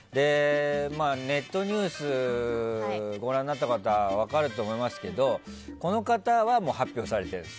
ネットニュースをご覧になった方は分かると思いますけどこの方はもう発表されてます。